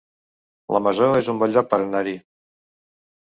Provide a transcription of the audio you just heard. La Masó es un bon lloc per anar-hi